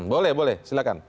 boleh boleh silahkan